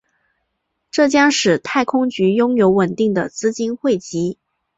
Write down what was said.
这将使太空局拥有稳定的资金汇集。